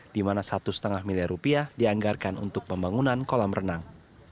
di mana satu lima miliar rupiah dianggarkan untuk pembangunan kolam renang